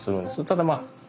ただまあ